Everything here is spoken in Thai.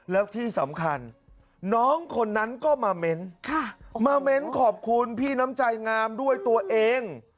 แล้วที่สำคัญน้องคนนั้นก็มาเม้นมาเม้นขอบคุณพี่น้ำใจงามด้วยตัวเอง